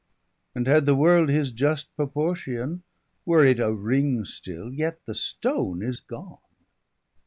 340 And had the world his just proportion, Were it a ring still, yet the stone is gone.